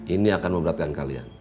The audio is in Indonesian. ini akan memberatkan kalian